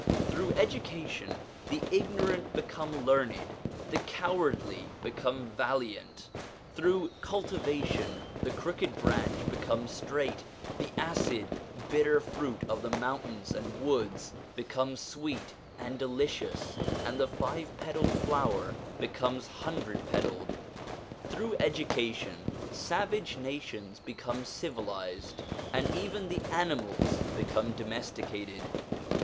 Through education the ignorant become learned, the cowardly become valiant; through cultivation the crooked branch becomes straight, the acid, bitter fruit of the mountains and woods becomes sweet and de licious, and the five petalled flower becomes hundred pe tailed. Through education savage nations become civilised, and even the animals become domesticated.